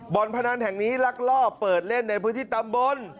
นพนันแห่งนี้ลักลอบเปิดเล่นในพื้นที่ตำบล